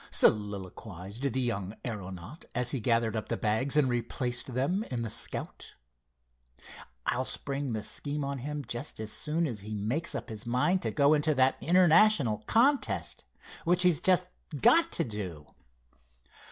soliloquized the young aeronaut, as he gathered up the bags and replaced them in the Scout. "I'll spring the scheme on him just as soon as he makes up his mind to go into that International contest, which he's just got to do!"